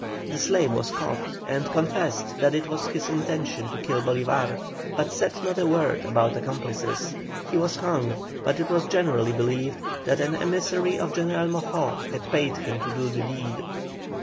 The slave was caught, and confessed that it was his intention to kill Bolívar, but said not a word about accomplices. He was hung, but it was generally believed that an emissary of General Moxó had paid him to do the deed.